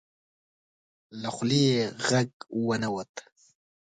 له خولې یې غږ ونه وت.